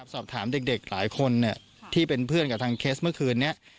สอบถามเด็กหลายคนที่เป็นเพื่อนกับทางเคสเมื่อคืนนี้